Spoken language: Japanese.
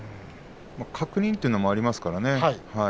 確認ということもありますからね。